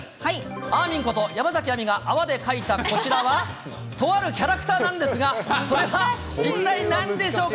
あーみんこと、山崎あみが泡で描いたこちらは、とあるキャラクターなんですが、それは一体なんでしょうか？